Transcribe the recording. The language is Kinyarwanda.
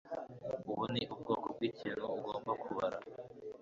ubu ni ubwoko bwikintu ugomba kubara